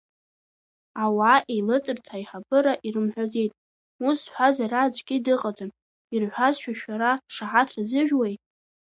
Ауаа еилыҵырц аиҳабыра ирымҳәаӡеит, ус зҳәаз ара аӡәгьы дыҟаӡам, ирҳәазшәа шәара шаҳаҭра зыжәуеи?